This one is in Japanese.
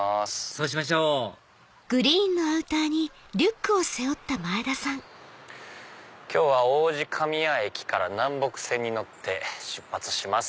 そうしましょう今日は王子神谷駅から南北線に乗って出発します。